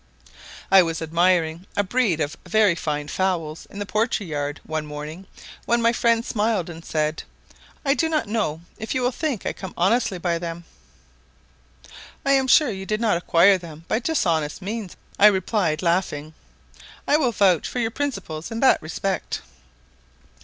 I was admiring a breed of very fine fowls in the poultry yard one morning, when my friend smiled and said, "I do not know if you will think I came honestly by them." "I am sure you did not acquire them by dishonest means," I replied, laughing; "I will vouch for your principles in that respect."